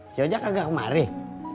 si ojak agak kemarin